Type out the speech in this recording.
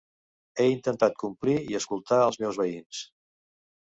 He intentat complir i escoltar els meus veïns.